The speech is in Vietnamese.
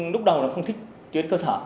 lúc đầu là không thích tuyến cơ sở